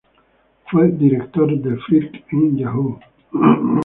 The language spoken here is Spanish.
Fue director de Flickr en Yahoo!